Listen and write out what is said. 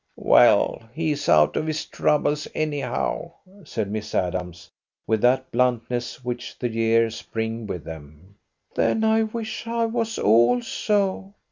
"Well, he's out of his troubles anyhow," said Miss Adams, with that bluntness which the years bring with them. "Then I wish I was also."